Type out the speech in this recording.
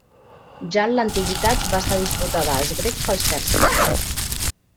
Ja en l'antiguitat va estar disputada als grecs pels perses.